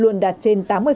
luôn đạt được tổng thống